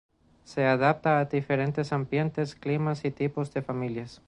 Se adapta a diferentes ambientes, climas y tipos de familias.